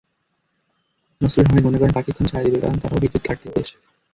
নসরুল হামিদ মনে করেন, পাকিস্তানও সায় দেবে, কারণ তারাও বিদ্যুৎ-ঘাটতির দেশ।